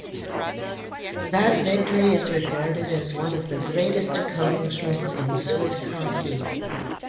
That victory is regarded as one of the greatest accomplishments in Swiss hockey.